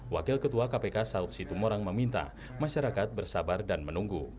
wakil ketua kpk saud situmorang meminta masyarakat bersabar dan menunggu